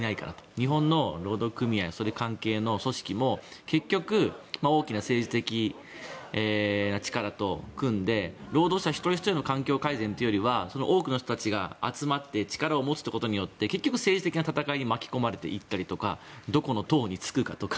日本の労働組合や関係する組織も結局大きな政治的な力と組んで労働者一人ひとりの改善というよりは多くの人たちが集まって力を持つことによって結局、政治的な戦いに巻き込まれたりどこの党につくかとか